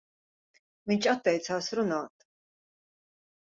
Viņš atteicās runāt.